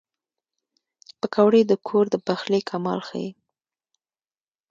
پکورې د کور د پخلي کمال ښيي